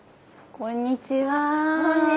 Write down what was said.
こんにちは。